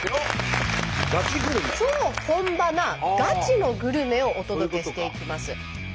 超本場なガチのグルメをお届けしていきます。